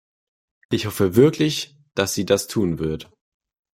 Ich hoffe wirklich, dass sie das tun wird.